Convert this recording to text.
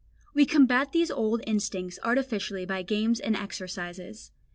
We combat these old instincts artificially by games and exercises.